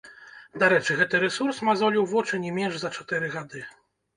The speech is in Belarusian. Дарэчы, гэты рэсурс мазоліў вочы не менш за чатыры гады.